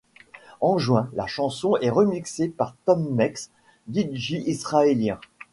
En juin, la chanson est remixée par Tom Maix, dj israélien.